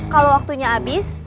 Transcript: kalau waktunya abis